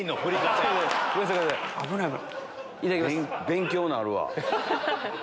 勉強になるわ。